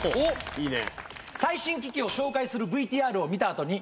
いいね。